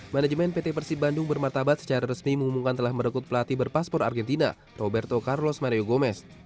manajemen pt persib bandung bermartabat secara resmi mengumumkan telah merekut pelatih berpaspor argentina roberto carlos mario gomez